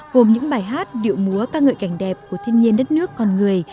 gồm những bài hát điệu múa ca ngợi cảnh đẹp của thiên nhiên đất nước con người